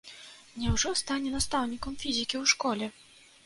Няўжо стане настаўнікам фізікі ў школе?